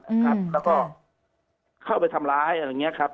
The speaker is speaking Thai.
แล้วก็เข้าไปทำร้ายอะไรอย่างนี้ครับ